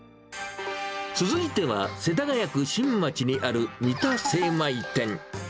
続いては、世田谷区新町にある三田精米店。